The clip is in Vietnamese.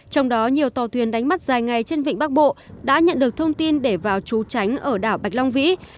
trong đó nhiều tàu thuyền đánh mắt dài ngày trên vịnh bắc bộ đã nhận được thông tin để vào trú tránh ở đảo bạch long vĩ